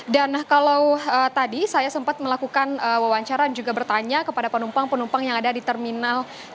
dan kalau tadi saya sempat melakukan wawancara juga bertanya kepada penumpang penumpang yang ada di terminal tiga